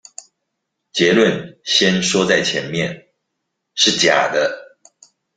結論先說在前面：是假的